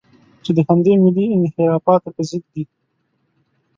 چې د همدې ملي انحرافاتو په ضد دي.